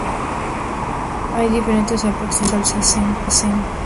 Hay diferentes aproximaciones al zazen.